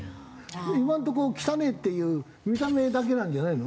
今んとこ汚えっていう見た目だけなんじゃないの？